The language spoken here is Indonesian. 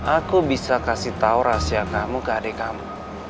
aku bisa kasih tahu rahasia kamu ke adik kamu